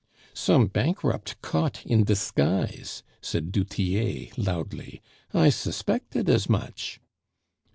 "Some bankrupt caught in disguise," said du Tillet loudly. "I suspected as much!"